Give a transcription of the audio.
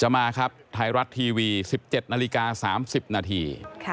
มาครับไทยรัฐทีวี๑๗นาฬิกา๓๐นาที